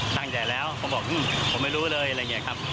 ตั้งใจแล้วเขาบอกผมไม่รู้เลยอะไรอย่างนี้ครับ